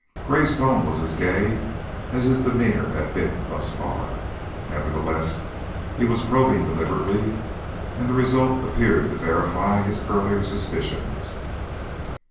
Gray's tone was as gay as his demeanor had been thus far, nevertheless he was probing deliberately, and the result appeared to verify his earlier suspicions.